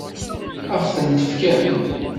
Ad ɣ-t-fken?